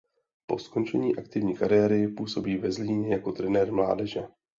Po skončení aktivní kariéry působí ve Zlíně jako trenér mládeže.